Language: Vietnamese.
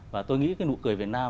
và tôi nghĩ cái nụ cười việt nam